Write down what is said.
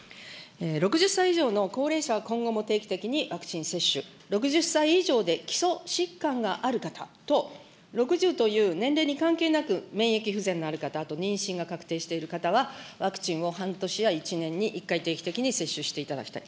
６０歳以上の高齢者は今後も定期的にワクチン接種、６０歳以上で基礎疾患がある方等、６０という年齢に関係なく、免疫不全のある方、あと妊娠が確定している方は、ワクチンを半年や１年に１回、定期的に接種していただきたい。